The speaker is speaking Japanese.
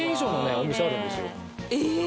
お店あるんですよええー！